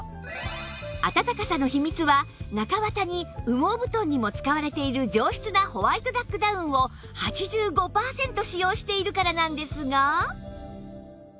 あたたかさの秘密は中わたに羽毛布団にも使われている上質なホワイトダックダウンを８５パーセント使用しているからなんですが